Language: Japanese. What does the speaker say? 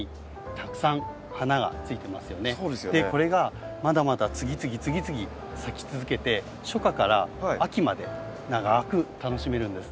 これがまだまだ次々次々咲き続けて初夏から秋まで長く楽しめるんです。